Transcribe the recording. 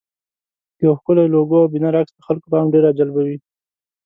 یو ښکلی لوګو او بنر عکس د خلکو پام ډېر راجلبوي.